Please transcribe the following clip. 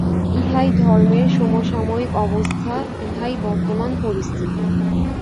ইহাই ধর্মের সমসাময়িক অবস্থা, ইহাই বর্তমান পরিস্থিতি।